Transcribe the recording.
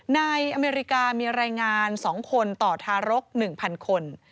อเมริกามีรายงาน๒คนต่อทารก๑๐๐คน